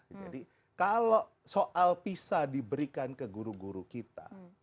jadi kalau soal pisa diberikan ke guru guru kita